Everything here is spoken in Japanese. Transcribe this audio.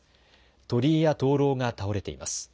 鳥居や灯籠が倒れています。